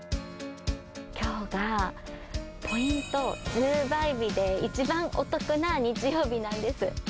きょうがポイント１０倍日で一番お得な日曜日なんです。